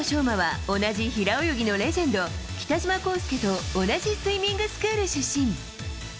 馬は同じ平泳ぎのレジェンド北島康介と同じスイミングスクール出身。